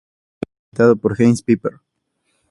Fue presentado por Heinz Piper.